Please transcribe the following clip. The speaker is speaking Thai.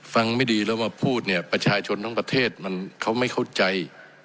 ไม่ดีแล้วมาพูดเนี่ยประชาชนทั้งประเทศมันเขาไม่เข้าใจ